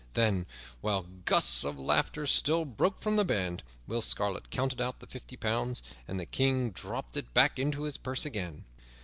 Then, while gusts of laughter still broke from the band, Will Scarlet counted out the fifty pounds, and the King dropped it back into his purse again.